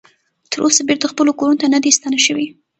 تر اوسه بیرته خپلو کورونو ته نه دې ستانه شوي